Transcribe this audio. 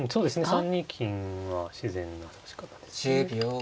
３二金は自然な指し方ですね。